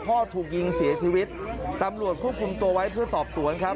ถูกยิงเสียชีวิตตำรวจควบคุมตัวไว้เพื่อสอบสวนครับ